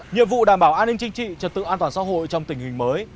nhiệm vụ đảm bảo an ninh chính trị trật tự an toàn xã hội trong tình hình mới